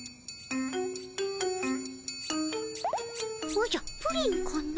おじゃプリンかの？